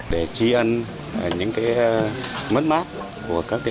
để chi ơn những cái mất mát của tỉnh lào châu